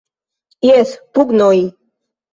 Jes pugnoj!